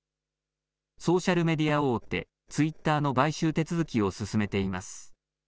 ソーシャルメディア大手、ツイッターの買収手続きを進めています。